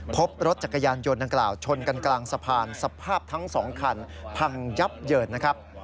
พบรถจักรยานยนต์ดังกล่าวชนกันกลางสะพานสภาพทั้งสองคันพังยับเยินนะครับ